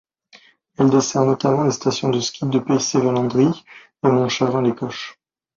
Elle dessert notamment les stations de ski de Peisey-Vallandry et Montchavin-les Coches.